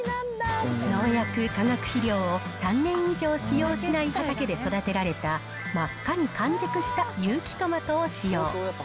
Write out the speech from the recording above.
農薬・化学肥料を３年以上使用しない畑で育てられた、真っ赤に完熟した有機トマトを使用。